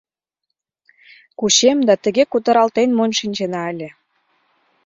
Кучем да тыге кутыралтен монь шинчена ыле.